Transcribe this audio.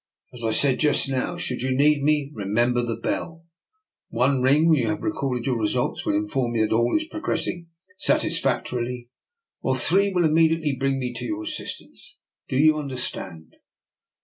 As I said just now, should you need me, remember the bell. One ring, when you have recorded your results, will inform me that all is progressing satisfactorily, while three will immediately bring me to your as sistance. Do you understand?